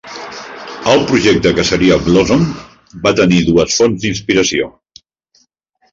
El projecte que seria "Blossom" va tenir dues fonts d'inspiració.